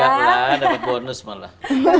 enggak lah dapet bonus malah